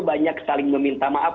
banyak saling meminta maaf